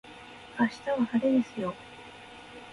明日は晴れですよ